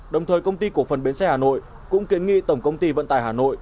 đồng thời công ty cổ phần biến xe hà nội cũng kiến nghi tổng công ty vận tài hà nội